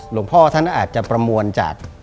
หลวงพ่อท่านอาจจะประมวลจาก